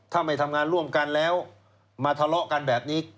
ถ้าไม่ทำงานร่วมกันแล้วมาทะเลาะกันแบบนี้